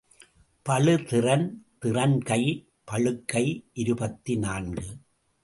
பளு திறன் திறன்கை பளுக்கை இருபத்து நான்கு.